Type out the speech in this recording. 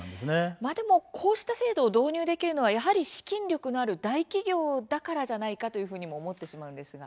こうした制度を導入できるのはやはり資金力のある大企業だからじゃないかと思ってしまうんですが。